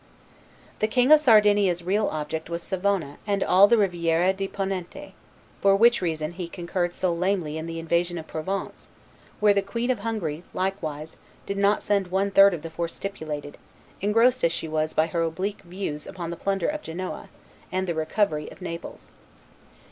The King of Sardinia's real object was Savona and all the Riviera di Ponente; for which reason he concurred so lamely in the invasion of Provence, where the Queen of Hungary, likewise, did not send one third of the force stipulated, engrossed as she was by her oblique views upon the plunder of Genoa, and the recovery of Naples.